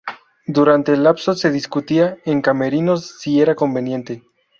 Durante el lapso se discutía en camerinos si era conveniente.